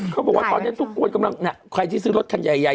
เขาบอกว่าตอนนี้ทุกคนกำลังใครที่ซื้อรถคันใหญ่